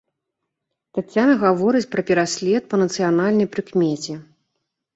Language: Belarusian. Таццяна гаворыць пра пераслед па нацыянальнай прыкмеце.